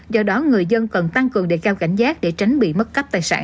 do đó người dân cần tăng cường đề cao cảnh giác để tránh bị mất cắp tài sản